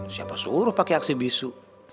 siapa suruh pakai aksi bisu